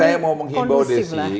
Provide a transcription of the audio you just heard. kalau saya mau menghimbau deh sih